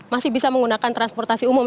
masih bisa menggunakan transportasi umum